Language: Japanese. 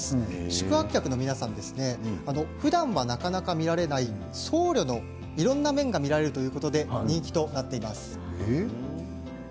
宿泊客の皆さんふだんはなかなか見られない僧侶のいろいろな面が見られるということで人気となっています。